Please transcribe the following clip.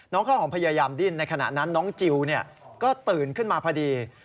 ข้าวหอมพยายามดิ้นในขณะนั้นน้องจิลก็ตื่นขึ้นมาพอดี